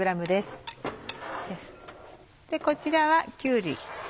こちらはきゅうり。